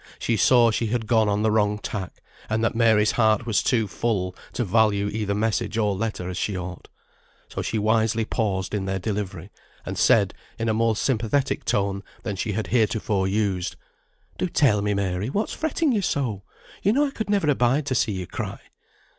She saw she had gone on the wrong tack, and that Mary's heart was too full to value either message or letter as she ought. So she wisely paused in their delivery, and said in a more sympathetic tone than she had heretofore used, "Do tell me, Mary, what's fretting you so? You know I never could abide to see you cry."